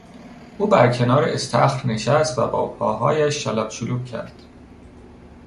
او بر کنار استخر نشست و با پاهایش شلپ شلوپ کرد.